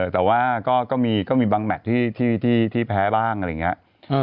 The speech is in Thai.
แต่ว่าก็มีบางแมทที่แพ้บ้างอะไรอย่างนี้